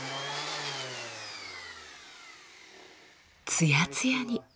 ツヤツヤに。